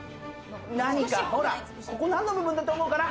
何かほら、ここ何の部分だと思うかな。